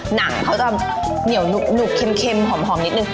หนังเขาจะเหนียวหนุบเค็มหอมนิดนึง